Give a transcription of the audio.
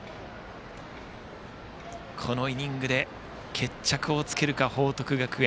このイニングで決着をつけるか、報徳学園。